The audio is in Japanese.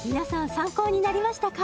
参考になりましたか？